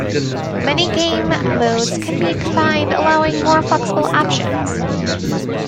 Many game modes can be combined, allowing more flexible options.